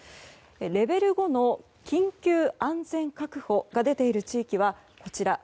レベル５の緊急安全確保が出ている地域は、こちら。